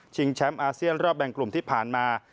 แชมป์อาเซียนรอบแบ่งกลุ่มที่ผ่านมา